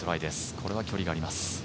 これは距離があります。